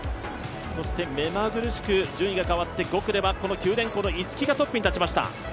目まぐるしく順位が変わって５区ではこの九電工の逸木がトップに立ちました。